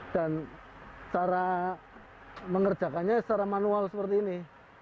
dan cara mengerjakannya secara manual seperti ini